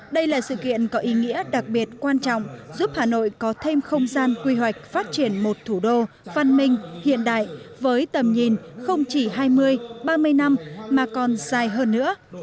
điều đặc biệt quan trọng giúp hà nội có thêm không gian quy hoạch phát triển một thủ đô văn minh hiện đại với tầm nhìn không chỉ hai mươi ba mươi năm mà còn dài hơn nữa